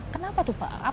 kenapa tuh pak